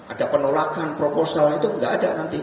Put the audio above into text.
ada penolakan proposal itu nggak ada nanti